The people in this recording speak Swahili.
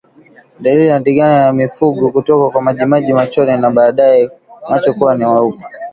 Dalili ya ndigana ni mfugo kutokwa majimaji machoni na baadaye macho kuwa na weupe